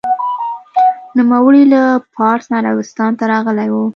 نوموړی له پارس نه عربستان ته راغلی و.